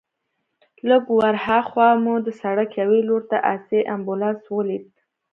لږ ورهاخوا مو د سړک یوې لور ته آسي امبولانس ولید.